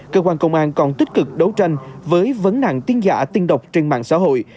cơ quan công an còn tích cực đấu tranh với vấn nạn tin giả tin độc trên mạng xã hội